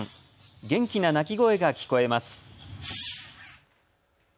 元気な鳴き声が聞こえます。